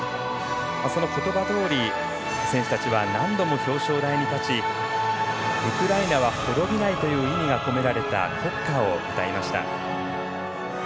そのことばどおり選手たちは何度も表彰台に立ちウクライナは滅びないという意味が込められた国歌を歌いました。